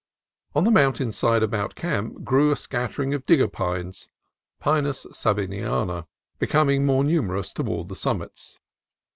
On the mountain side about camp grew a scatter ing of digger pines (Pinus sabiniana), becoming more numerous toward the summits.